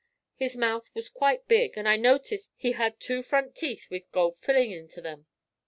His mouth was quite big, and I noticed he had two front teeth with gold fillin' into 'em.